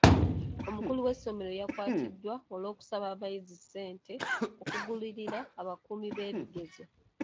Omukulu w'essomero yakwatibwa olw'okusaba abayizi ssente okugulirira abakuumi b'ebigezo.